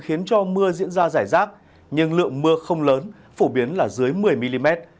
khiến cho mưa diễn ra rải rác nhưng lượng mưa không lớn phổ biến là dưới một mươi mm